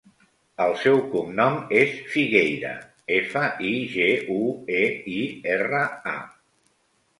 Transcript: El seu cognom és Figueira: efa, i, ge, u, e, i, erra, a.